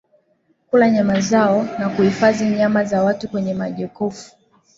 kula nyama zao na kuhifadhi nyama za watu kwenye majokofu